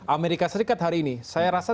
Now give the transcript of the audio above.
amerika serikat hari ini saya rasa